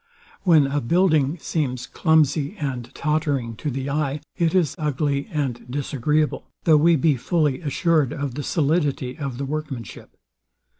When a building seems clumsy and tottering to the eye, it is ugly and disagreeable; though we be fully assured of the solidity of the workmanship.